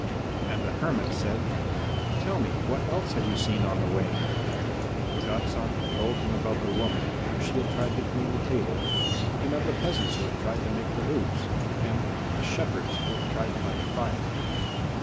And the hermit said, "Tell me what else you have seen on the way?" The godson told him about the woman and how she had tried to clean the table, and of the peasants who had tried to make the hoops, and the shepherds who had tried to light a fire.